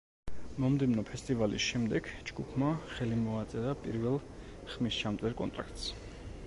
მომდევნო ფესტივალის შემდეგ, ჯგუფმა ხელი მოაწერა პირველ ხმისჩამწერ კონტრაქტს.